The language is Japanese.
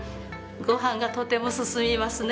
ご飯がとても進みますね。